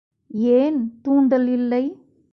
ஏன் தூண்டல் இல்லை!